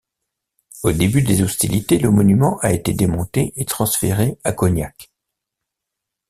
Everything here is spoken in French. Au début des hostilités, le monument a été démonté et transféré à Cognac.